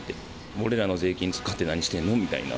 俺らの税金使って何してんのみたいな。